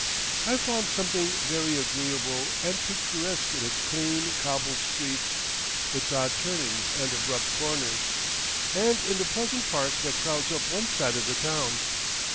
I found something very agreeable and picturesque in its clean cobbled streets, its odd turnings and abrupt corners; and in the pleasant park that crowds up one side of the town.